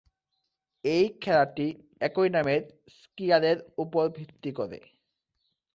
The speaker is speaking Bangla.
এই খেলাটি একই নামের স্কিয়ারের উপর ভিত্তি করে।